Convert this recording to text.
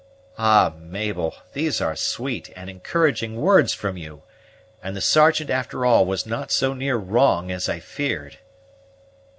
"Ah, Mabel, these are sweet and encouraging words from you! and the Sergeant, after all, was not so near wrong as I feared."